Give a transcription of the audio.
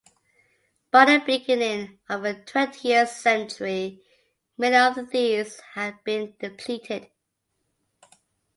By the beginning of the twentieth century, many of these had been depleted.